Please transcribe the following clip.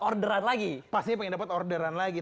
orderan lagi pastinya pengen dapet orderan lagi